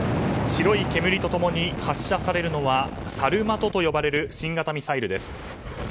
白い煙と共に発射されるのはサルマトと呼ばれる新型ミサイルです。